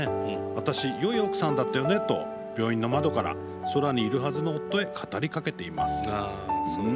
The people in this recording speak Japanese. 私、よい奥さんだったよねと病院の窓から空にいるはずの夫へ語りかけています。」